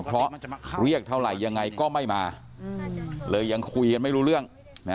เพราะเรียกเท่าไหร่ยังไงก็ไม่มาเลยยังคุยกันไม่รู้เรื่อง